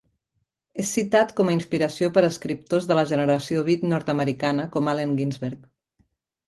És citat com a inspiració per escriptors de la generació beat nord-americana com Allen Ginsberg.